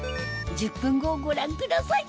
１０分後をご覧ください